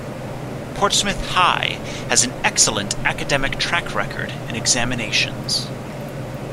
Portsmouth High has an excellent academic track record in examinations.